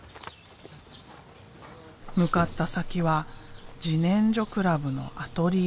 向かった先は自然生クラブのアトリエ。